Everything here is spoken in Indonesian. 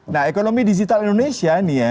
nah ekonomi digital indonesia nih ya